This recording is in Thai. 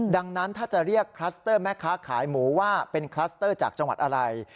ดังนั้นถ้าจะเรียกคลัสเตอร์แม่ค้าขายหมูว่าเป็นคลัสเตอร์จากจังหวัดอะไร